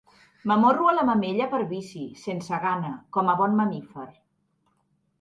M'amorro a la mamella per vici, sense gana, com a bon mamífer.